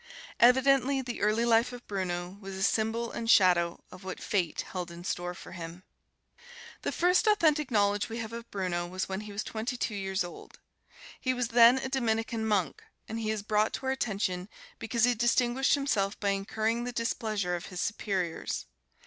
Evidently, the early life of Bruno was a symbol and shadow of what Fate held in store for him. The first authentic knowledge we have of Bruno was when he was twenty two years old. He was then a Dominican monk, and he is brought to our attention because he distinguished himself by incurring the displeasure of his superiors.